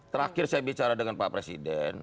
terakhir saya bicara dengan pak presiden